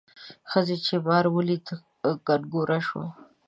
ښځې چې مار ولید کنګوره شوه.